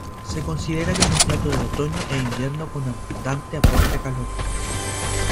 Se considera que es un plato de otoño e invierno con abundante aporte calórico.